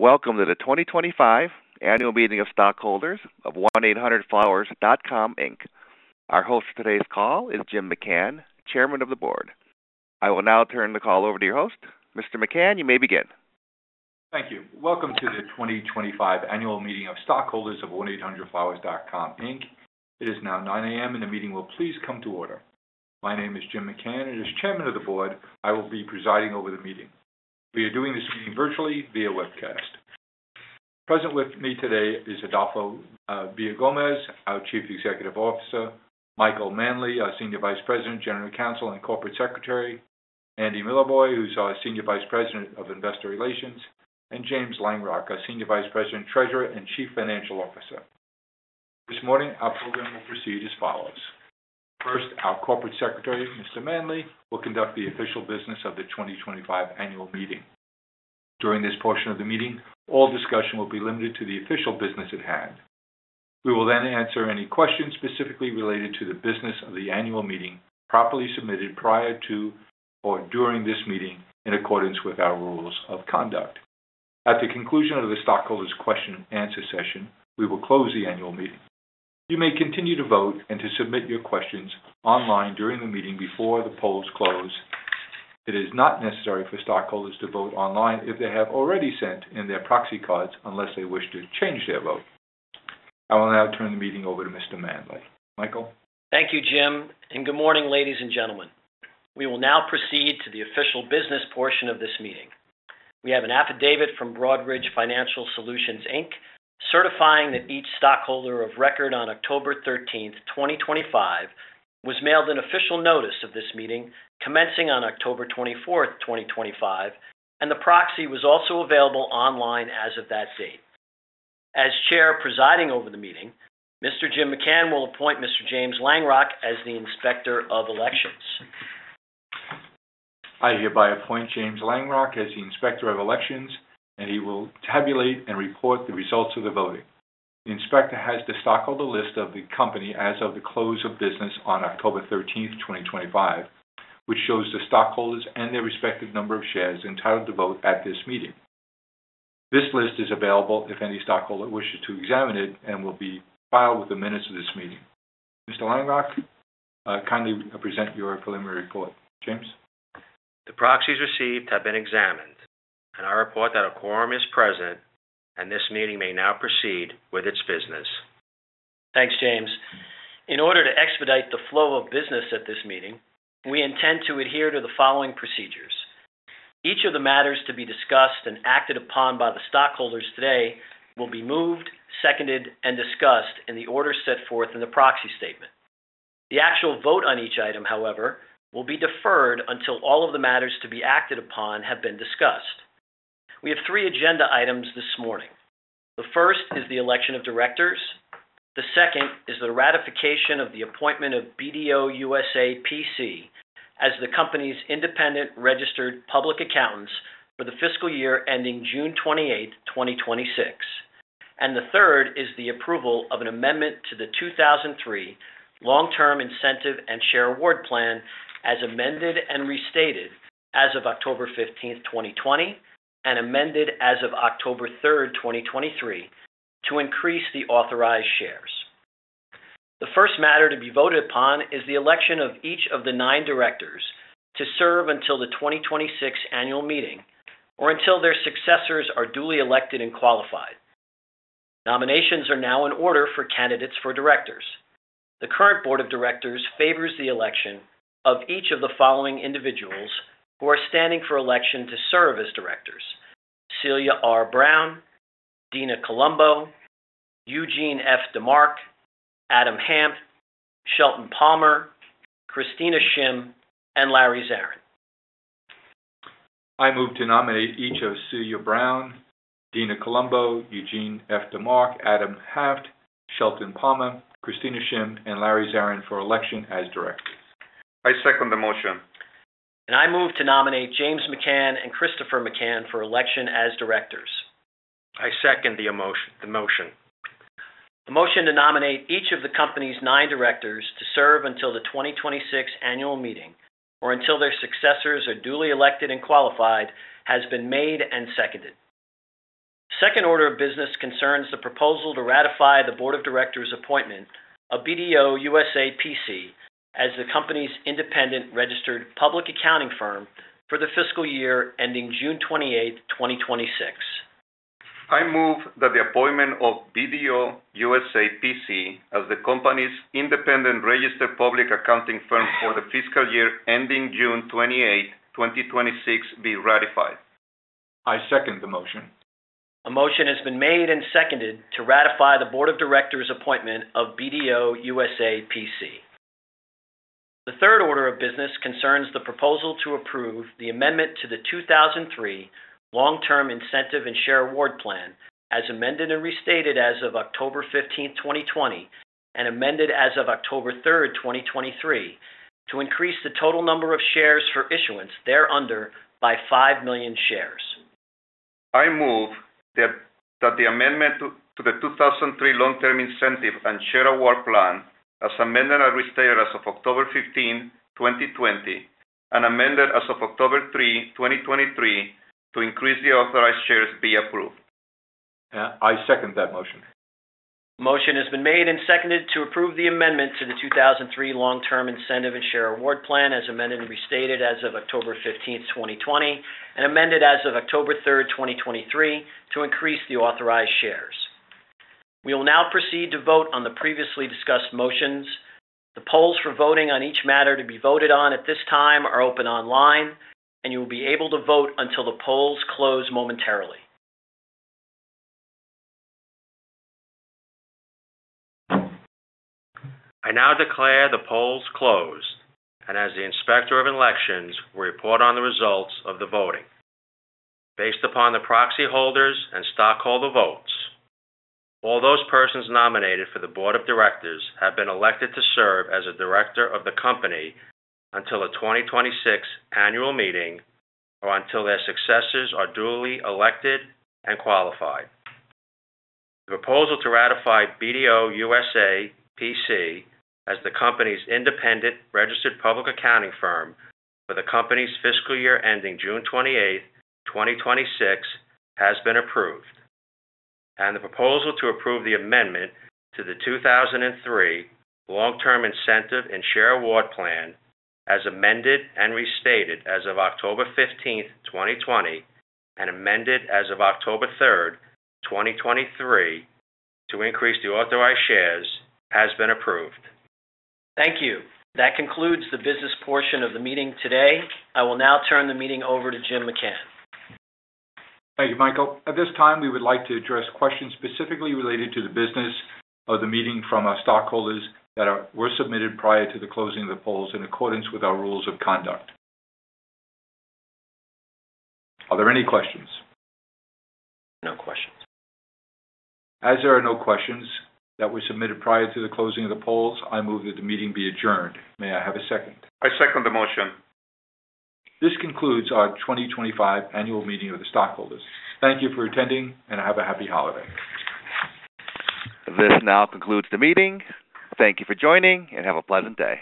Welcome to the 2025 Annual Meeting of Stockholders of 1-800-FLOWERS.COM, Inc. Our host for today's call is Jim McCann, Chairman of the Board. I will now turn the call over to your host, Mr. McCann. You may begin. Thank you. Welcome to the 2025 Annual Meeting of Stockholders of 1-800-FLOWERS.COM, Inc. It is now 9:00 A.M., and the meeting will please come to order. My name is Jim McCann, and as Chairman of the Board, I will be presiding over the meeting. We are doing this meeting virtually via webcast. Present with me today is Adolfo Villagomez, our Chief Executive Officer, Michael Manley, our Senior Vice President, General Counsel and Corporate Secretary, Andy Milevoj, who's our Senior Vice President of Investor Relations, and James Langrock, our Senior Vice President, Treasurer and Chief Financial Officer. This morning, our program will proceed as follows. First, our Corporate Secretary, Mr. Manley, will conduct the official business of the 2025 Annual Meeting. During this portion of the meeting, all discussion will be limited to the official business at hand. We will then answer any questions specifically related to the business of the Annual Meeting properly submitted prior to or during this meeting in accordance with our Rules of Conduct. At the conclusion of the Stockholders' Question and Answer session, we will close the Annual Meeting. You may continue to vote and to submit your questions online during the meeting before the polls close. It is not necessary for Stockholders to vote online if they have already sent in their proxy cards, unless they wish to change their vote. I will now turn the meeting over to Mr. Manley. Michael. Thank you, Jim, and good morning, ladies and gentlemen. We will now proceed to the official business portion of this meeting. We have an affidavit from Broadridge Financial Solutions, Inc., certifying that each Stockholder of Record on October 13, 2025, was mailed an official notice of this meeting commencing on October 24, 2025, and the proxy was also available online as of that date. As Chair presiding over the meeting, Mr. Jim McCann will appoint Mr. James Langrock as the Inspector of Elections. I hereby appoint James Langrock as the Inspector of Elections, and he will tabulate and report the results of the voting. The Inspector has the Stockholder List of the company as of the close of business on October 13, 2025, which shows the Stockholders and their respective number of shares entitled to vote at this meeting. This list is available if any Stockholder wishes to examine it and will be filed with the minutes of this meeting. Mr. Langrock, kindly present your preliminary report. James. The proxies received have been examined, and I report that a quorum is present, and this meeting may now proceed with its business. Thanks, James. In order to expedite the flow of business at this meeting, we intend to adhere to the following procedures. Each of the matters to be discussed and acted upon by the Stockholders today will be moved, seconded, and discussed in the order set forth in the proxy statement. The actual vote on each item, however, will be deferred until all of the matters to be acted upon have been discussed. We have three agenda items this morning. The first is the election of directors. The second is the ratification of the appointment of BDO USA, P.C. as the company's independent registered public accountants for the fiscal year ending June 28, 2026. And the third is the approval of an amendment to the 2003 Long-Term Incentive and Share Award Plan as amended and restated as of October 15, 2020, and amended as of October 3, 2023, to increase the authorized shares. The first matter to be voted upon is the election of each of the nine directors to serve until the 2026 Annual Meeting or until their successors are duly elected and qualified. Nominations are now in order for candidates for directors. The current Board of Directors favors the election of each of the following individuals who are standing for election to serve as directors: Celia R. Brown, Dina Colombo, Eugene F. DeMark, Adam Hanft, Shaun Palmer, Christina Shim, and Larry Zarin. I move to nominate each of Celia Brown, Dina Colombo, Eugene F. DeMark, Adam Hanft, Shaun Palmer, Christina Shim, and Larry Zarin for election as directors. I second the motion. I move to nominate James McCann and Christopher McCann for election as directors. I second the motion. The motion to nominate each of the company's nine directors to serve until the 2026 Annual Meeting or until their successors are duly elected and qualified has been made and seconded. The second order of business concerns the proposal to ratify the Board of Directors' appointment of BDO USA, P.C. as the company's independent registered public accounting firm for the fiscal year ending June 28, 2026. I move that the appointment of BDO USA, P.C. as the company's independent registered public accounting firm for the fiscal year ending June 28, 2026, be ratified. I second the motion. A motion has been made and seconded to ratify the Board of Directors' appointment of BDO USA, P.C. The third order of business concerns the proposal to approve the amendment to the 2003 Long-Term Incentive and Share Award Plan as amended and restated as of October 15, 2020, and amended as of October 3, 2023, to increase the total number of shares for issuance thereunder by 5 million shares. I move that the amendment to the 2003 Long-Term Incentive and Share Award Plan as amended and restated as of October 15, 2020, and amended as of October 3, 2023, to increase the authorized shares be approved. I second that motion. The motion has been made and seconded to approve the amendment to the 2003 Long-Term Incentive and Share Award Plan as amended and restated as of October 15, 2020, and amended as of October 3, 2023, to increase the authorized shares. We will now proceed to vote on the previously discussed motions. The polls for voting on each matter to be voted on at this time are open online, and you will be able to vote until the polls close momentarily. I now declare the polls closed, and as the Inspector of Elections, we report on the results of the voting. Based upon the proxy holders and stockholder votes, all those persons nominated for the Board of Directors have been elected to serve as a director of the company until the 2026 Annual Meeting or until their successors are duly elected and qualified. The proposal to ratify BDO USA, P.C. as the company's independent registered public accounting firm for the company's fiscal year ending June 28, 2026, has been approved. And the proposal to approve the amendment to the 2003 Long-Term Incentive and Share Award Plan as amended and restated as of October 15, 2020, and amended as of October 3, 2023, to increase the authorized shares has been approved. Thank you. That concludes the business portion of the meeting today. I will now turn the meeting over to Jim McCann. Thank you, Michael. At this time, we would like to address questions specifically related to the business of the meeting from our Stockholders that were submitted prior to the closing of the polls in accordance with our Rules of Conduct. Are there any questions? No questions. As there are no questions that were submitted prior to the closing of the polls, I move that the meeting be adjourned. May I have a second? I second the motion. This concludes our 2025 Annual Meeting of the Stockholders. Thank you for attending, and have a happy holiday. This now concludes the meeting. Thank you for joining, and have a pleasant day.